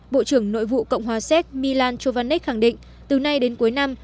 bộ trưởng nội vụ cộng hòa séc milan chuvanes khẳng định từ nay đến cuối năm